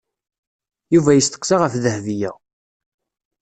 Yuba yesteqsa ɣef Dahbiya.